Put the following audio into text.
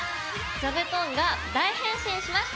座布団が大変身しました！